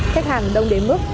khách hàng đông đến mức